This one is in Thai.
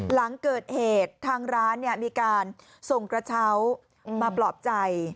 หลังเกิดเหตุทางร้านมีการส่งกระเช้ามาปลอบใจ